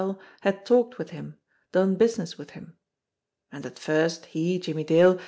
e had talked with him, done business in .nd at first, he, Jimmie Dsde.